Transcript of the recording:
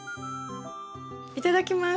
いただきます。